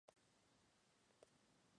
Sus aletas son rojizas.